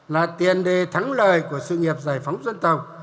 là tiền đề thắng lợi của sự nghiệp giải phóng dân tộc